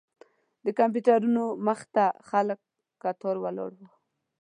د کمپیوټرونو مخې ته خلک کتار ولاړ وو.